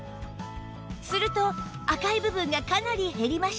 すると赤い部分がかなり減りました